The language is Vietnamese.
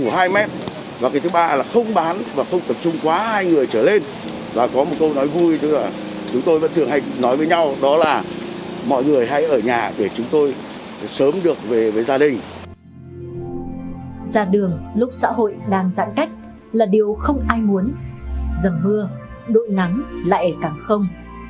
già đường lúc xã hội đang giãn cách là điều không ai muốn giầm mưa nỗi nắng lại càng không